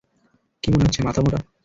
কী মনে হচ্ছে, মাথামোটা?